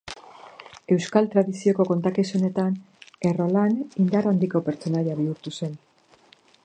Euskal tradizioko kontakizunetan, Errolan indar handiko pertsonaia bihurtu zen.